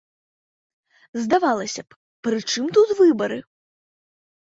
Здавалася б, пры чым тут выбары?